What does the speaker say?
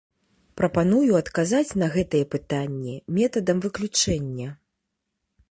Прапаную адказаць на гэтае пытанне метадам выключэння.